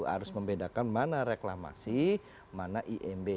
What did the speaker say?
harus membedakan mana reklamasi mana imb